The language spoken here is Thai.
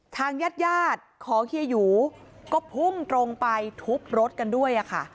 ทางญาติยาดของเฮียหยูก็พุ่งตรงไปทุบรถกันด้วยค่ะ